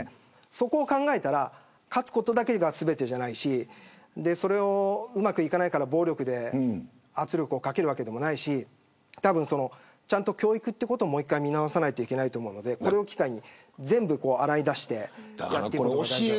それを考えたら勝つことだけが全てじゃないしうまくいかないから暴力で圧力をかけるわけでもないしちゃんと教育を見直さないといけないと思うのでこれを機会に全部洗い出してやっていただきたい。